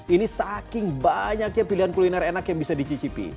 ini saking banyaknya pilihan kuliner enak yang bisa dicicipi